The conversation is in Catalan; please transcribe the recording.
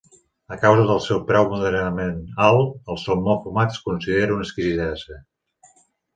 A causa del seu preu moderadament alt, el salmó fumat es considera una exquisidesa.